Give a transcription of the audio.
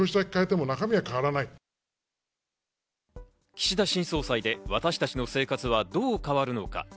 岸田新総裁で私たちの生活はどう変わるのか。